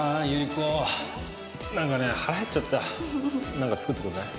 なんか作ってくれない？